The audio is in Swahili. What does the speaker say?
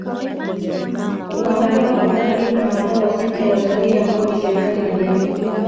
kuangaliwa kwa ukaribu na wadau wa sekta ya Utalii ambao ni serikali na jamii